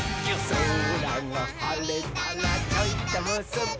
「そらがはれたらちょいとむすび」